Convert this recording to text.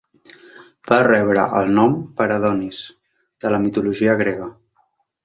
Va rebre el nom per Adonis, de la mitologia grega.